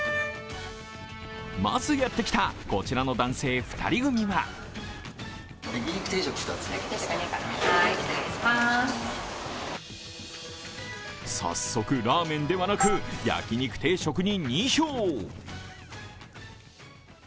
まずやってきた、こちらの男性２人組は早速、ラーメンではなく焼き肉定食に２票。